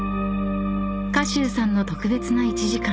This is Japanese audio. ［賀集さんの特別な１時間］